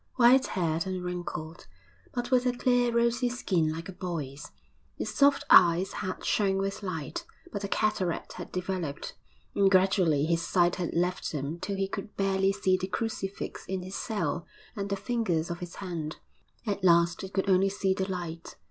White haired and wrinkled, but with a clear, rosy skin like a boy's; his soft blue eyes had shone with light, but a cataract had developed, and gradually his sight had left him till he could barely see the crucifix in his cell and the fingers of his hand; at last he could only see the light.